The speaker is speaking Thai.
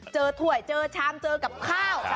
ถ้วยเจอชามเจอกับข้าว